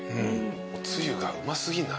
おつゆがうま過ぎんな。